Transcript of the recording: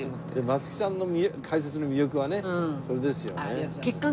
松木さんの解説の魅力はねそれですよね。